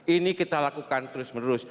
ini kita lakukan terus menerus